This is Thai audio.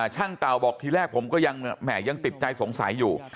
เต่าบอกทีแรกผมก็ยังติดใจสงสัยอยู่